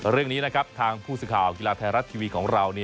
เรื่องนี้ทางผู้ซึ้งข่ากบีลาไทยรัททีวีของเรา